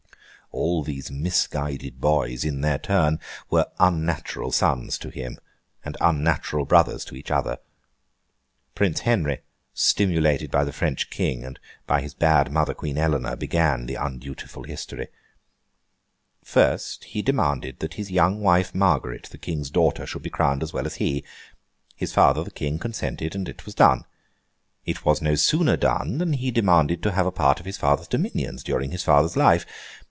All these misguided boys, in their turn, were unnatural sons to him, and unnatural brothers to each other. Prince Henry, stimulated by the French King, and by his bad mother, Queen Eleanor, began the undutiful history. First, he demanded that his young wife, Margaret, the French King's daughter, should be crowned as well as he. His father, the King, consented, and it was done. It was no sooner done, than he demanded to have a part of his father's dominions, during his father's life.